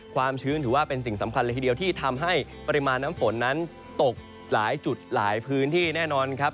ความชื้นถือว่าเป็นสิ่งสำคัญเลยทีเดียวที่ทำให้ปริมาณน้ำฝนนั้นตกหลายจุดหลายพื้นที่แน่นอนครับ